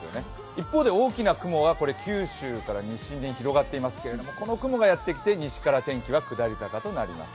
一方で大きな雲は九州から西に広がっていますけれどもこの雲がやって来て天気は西から下り坂となります。